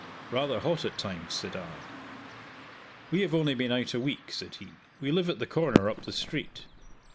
"Rather hot, at times," said I. "We have only been out a week," said he. "We live at the corner up the street.